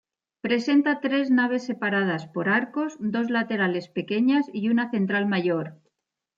Presenta tres naves separadas por arcos, dos laterales pequeñas y una central mayor.